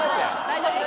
大丈夫？